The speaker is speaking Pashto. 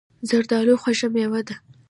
زردالو خوږه مېوه ده.